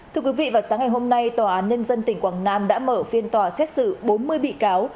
thưa quý vị vào sáng ngày hôm nay tòa án nhân dân tỉnh quảng nam đã mở phiên tòa xét xử bốn mươi bị cáo